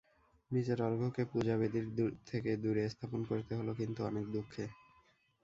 নিজের অর্ঘ্যকে পূজাবেদীর থেকে দূরে স্থাপন করতে হল, কিন্তু অনেক দুঃখে।